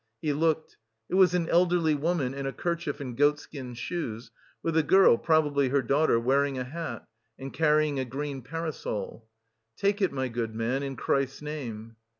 He looked. It was an elderly woman in a kerchief and goatskin shoes, with a girl, probably her daughter, wearing a hat, and carrying a green parasol. "Take it, my good man, in Christ's name."